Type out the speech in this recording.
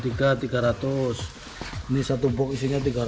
ini satu box isinya tiga ratus